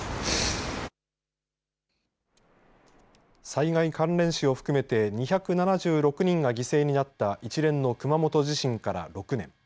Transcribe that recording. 災害関連死を含めて２７６人が犠牲になった一連の熊本地震から６年。